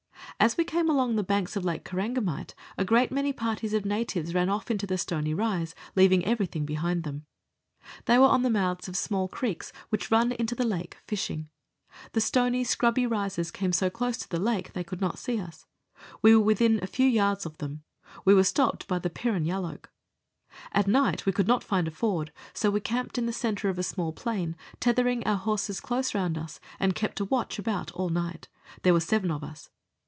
As we came along the banks of Lake Korangamite a great many parties of natives ran off into the stony rise, leaving everything behind them. They were on the mouths of small creeks which run into the lake, fishing. The stony, scrubby rises come so close to the lake, they could not see us ; we were within a few yards of them ; we were stopped by the Pirron Yalloak. At night we could not find a ford, so we camped in the centre of a small plain, tethering our horses close around us, and kept a watch about all night there were seven of us.